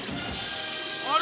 あれ？